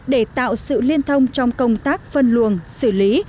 để tạo sự liên thông trong công tác phân luồng xử lý